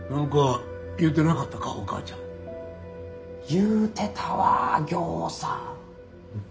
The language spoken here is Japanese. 言うてたわぎょうさん。